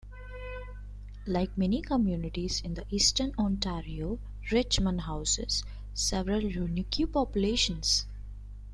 Like many communities in eastern Ontario, Richmond houses several unique populations.